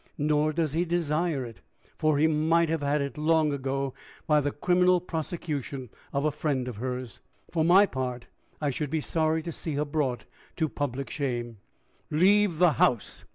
Nor does he desire it, for he might have had it long ago, by the criminal prosecution of a friend of hers. For my part, I should be sorry to see her brought to public shame." "Leave the house!"